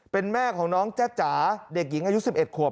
เป็นแม่ของน้องจ๊ะจ๋าเด็กหญิงอายุ๑๑ขวบ